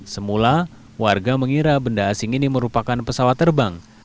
semula warga mengira benda asing ini merupakan pesawat terbang